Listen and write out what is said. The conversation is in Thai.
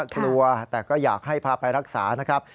กลัวแต่ก็อยากให้พาไปรักษานะครับ